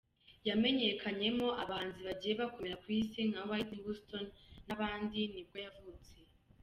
yamenyekanyemo abahanzi bagiye bakomera ku isi nka Whitney Houston n’abandi nibwo yavutse.